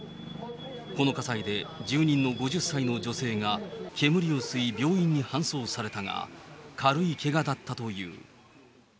この火災で住人の５０歳の女性が煙を吸い、病院に搬送されたが、軽いけがだったという。